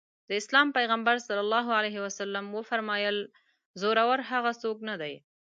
د اسلام پيغمبر ص وفرمايل زورور هغه څوک نه دی.